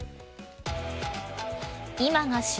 今が旬。